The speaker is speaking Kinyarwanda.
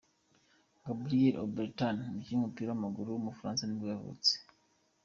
Gabriel Obertan, umukinnyi w’umupira w’amaguru w’umufaransa nibwo yavutse.